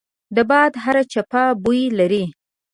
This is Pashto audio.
د باد هره چپه بوی لري